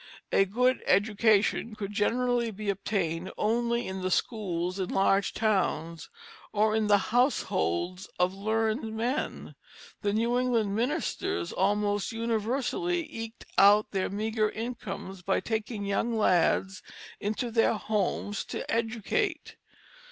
A good education could generally be obtained only in the schools in larger towns, or in the households of learned men. The New England ministers almost universally eked out their meagre incomes by taking young lads into their homes to educate.